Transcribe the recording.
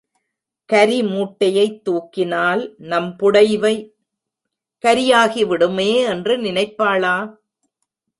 கரி மூட்டையைத் தூக்கினால் நம் புடைவை கரியாகிவிடுமே என்று நினைப்பாளா?